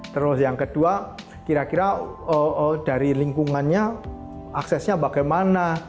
terus yang kedua kira kira dari lingkungannya aksesnya bagaimana